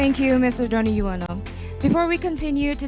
saya fitria irmitri swati